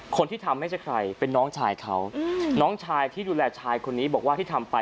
คนที่ทำไม่ใช่ใครเป็นน้องชายเขาน้องชายที่ดูแลชายคนนี้บอกว่าที่ทำไป